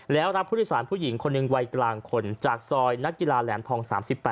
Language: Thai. แล้วรับผู้โดยสารผู้หญิงคนหนึ่งวัยกลางคนจากซอยนักกีฬาแหลมทอง๓๘